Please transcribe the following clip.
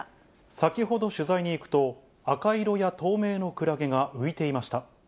先ほど取材に行くと、赤色や透明のクラゲが浮いていました。